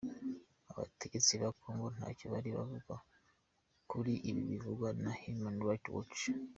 Abategetsi ba Congo ntacyo bari bavuga kuri ibi bivugwa na Human Rights Watch.